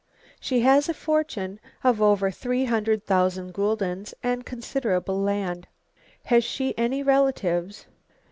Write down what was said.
"She has a fortune of over three hundred thousand guldens, and considerable land." "Has she any relatives?"